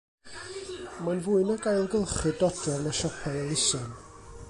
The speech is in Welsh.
Mae'n fwy nag ailgylchu dodrefn a siopau elusen